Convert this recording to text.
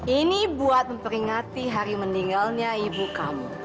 ini buat memperingati hari meninggalnya ibu kamu